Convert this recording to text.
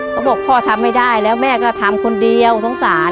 เขาบอกพ่อทำไม่ได้แล้วแม่ก็ทำคนเดียวสงสาร